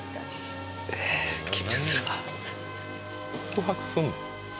告白すんの？